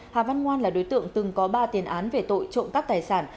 hà văn ngoan là đối tượng từng có ba tiền án về tội trộm cắp tài sản